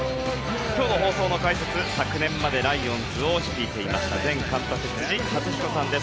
今日の放送の解説は昨年までライオンズを率いていました前監督、辻発彦さんです。